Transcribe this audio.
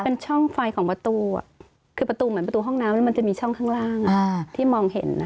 เป็นช่องไฟของประตูคือประตูเหมือนประตูห้องน้ำมันจะมีช่องข้างล่างที่มองเห็น